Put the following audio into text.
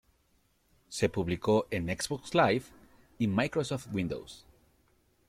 Se publicó en Xbox Live y Microsoft Windows.